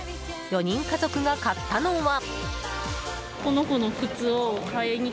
４人家族が買ったのは。